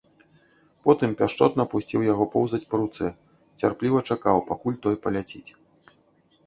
Потым пяшчотна пусціў яго поўзаць па руцэ, цярпліва чакаў, пакуль той паляціць.